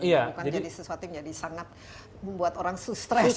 bukan sesuatu yang sangat membuat orang stress